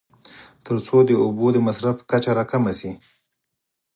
تر څو د اوبو د مصرف کچه راکمه شي.